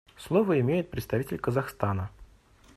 Слово имеет представитель Казахстана.